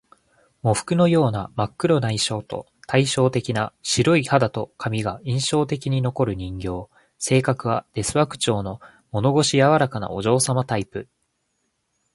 喪服のような真っ黒な衣装と、対照的な白い肌と髪が印象に残る人形。性格は「ですわ」口調の物腰柔らかなお嬢様タイプ